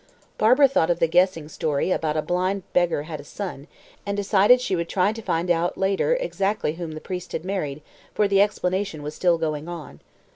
Barbara thought of the guessing story about "A blind beggar had a son," and decided she would try to find out later exactly whom the priest had married, for the explanation was still going on.